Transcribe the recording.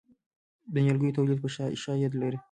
د نیالګیو تولید ښه عاید لري؟